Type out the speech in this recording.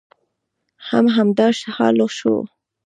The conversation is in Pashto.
هم همدا حال شو.